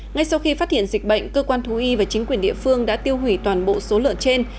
ngay sau khi phát hiện dịch bệnh cơ quan thú y và chính quyền địa phương đã tiêu hủy toàn bộ số lợn trên